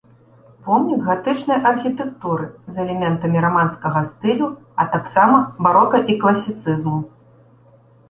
Помнік гатычнай архітэктуры з элементамі раманскага стылю, а таксама барока і класіцызму.